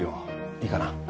いいかな？